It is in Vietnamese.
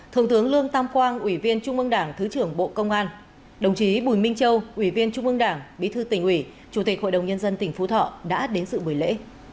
thượng tướng lương tam quang ủy viên trung ương đảng thứ trưởng bộ công an đồng chí bùi minh châu ủy viên trung ương đảng bí thư tỉnh ủy chủ tịch hội đồng nhân dân tỉnh phú thọ đã đến sự buổi lễ